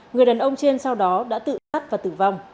người đàn ông trên sau đó đã tự sát và tử vong